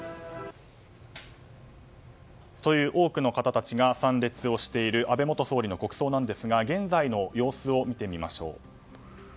多くの方たちが参列している安倍元総理の国葬ですが現在の様子を見てみましょう。